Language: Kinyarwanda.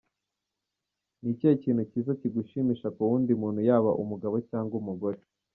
com: Ni ikihe kintu cyiza kigushimisha ku wundi muntu, yaba umugabo cyangwa umugore ?.